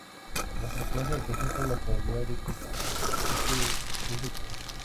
La frecuencia representa la probabilidad de que ese suceso ocurra.